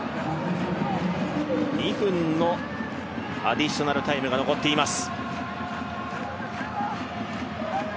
２分のアディショナルタイムが残っています。